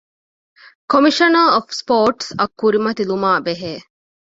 ކޮމިޝަނަރ އޮފް ސްޕޯޓްސްއަށް ކުރިމަތިލުމާ ބެހޭ